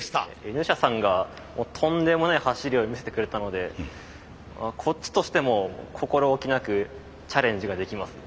Ｎ社さんがとんでもない走りを見せてくれたのでこっちとしても心おきなくチャレンジができますね。